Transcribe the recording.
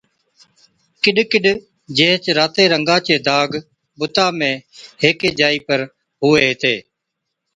ڪِڏ ڪِڏ جيهچ راتي رنگا چي داگ بُتا ۾ هيڪِي جائِي پر هُوي هِتي